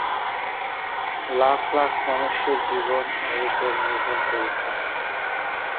লাখ লাখ মানুষের জীবন এর ওপর নির্ভর করছে।